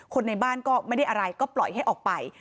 คนในบ้านก็ไม่ได้อะไรก็ปล่อยให้ออกไป